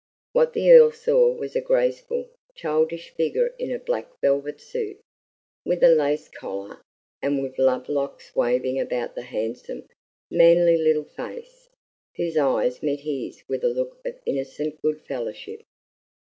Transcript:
What the Earl saw was a graceful, childish figure in a black velvet suit, with a lace collar, and with love locks waving about the handsome, manly little face, whose eyes met his with a look of innocent good fellowship.